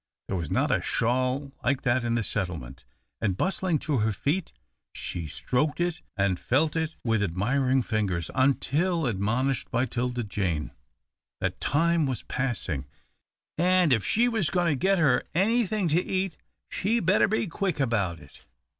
There was not a shawl like that in the settlement, and bustling to her feet, she stroked it and felt it with admiring fingers, until admonished by 'Tilda Jane that time was passing, and if she was going to get her anything to eat she had better be quick about it.